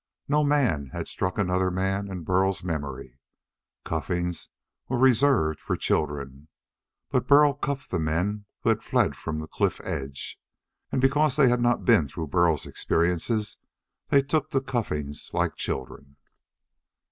No man had struck another man in Burl's memory. Cuffings were reserved for children. But Burl cuffed the men who had fled from the cliff edge. And because they had not been through Burl's experiences, they took the cuffings like children.